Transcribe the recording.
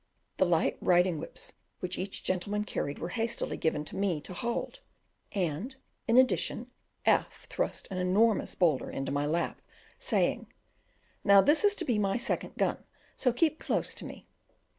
The light riding whips which each gentleman carried were hastily given to me to hold, and in addition F thrust an enormous boulder into my lap, saying, "Now, this is to be my second gun; so keep close to me."